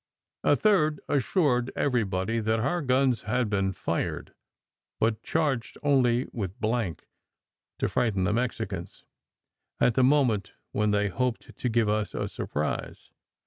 A third assured everybody that our guns had been fired, but charged only with blank, to frighten the Mexicans, at the moment when they hoped to give us a surprise.